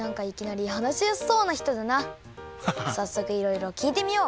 さっそくいろいろきいてみよう！